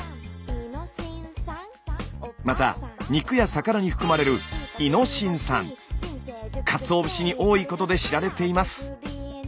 また肉や魚に含まれるかつお節に多いことで知られています。